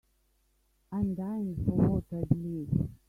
I'm dying for what I believe.